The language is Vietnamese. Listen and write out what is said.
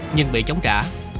nhưng bị chống trả